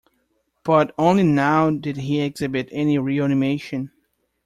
But only now did he exhibit any real animation.